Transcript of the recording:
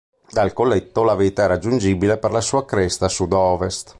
Dal colletto la vetta è raggiungibile per la sua cresta sud-ovest.